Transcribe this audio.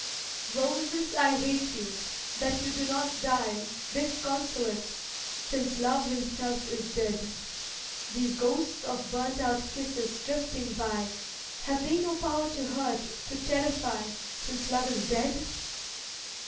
Roses, I hate you! that you do not die Disconsolate, since love himself is dead. These ghosts of burnt out kisses drifting by, Have they no power to hurt, to terrify, Since love is dead?